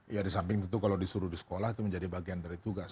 ya disamping itu kalau disuruh di sekolah itu menjadi bagian dari tugas